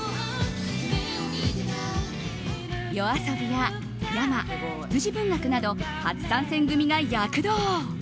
ＹＯＡＳＯＢＩやｙａｍａ羊文学など初参戦組が躍動。